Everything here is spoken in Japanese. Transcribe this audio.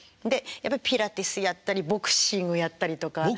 やっぱピラティスやったりボクシングやったりとか。